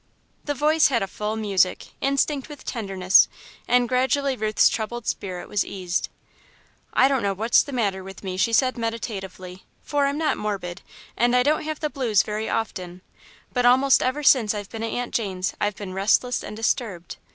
The voice had a full music, instinct with tenderness, and gradually Ruth's troubled spirit was eased. "I don't know what's the matter with me," she said, meditatively, "for I'm not morbid, and I don't have the blues very often, but almost ever since I've been at Aunt Jane's, I've been restless and disturbed.